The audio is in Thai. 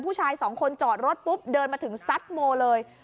ผู้ชายสองคนจอดรถปุ๊บเดินมาถึงซัดโมเลย